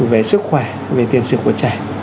về sức khỏe về tiền sửa của trẻ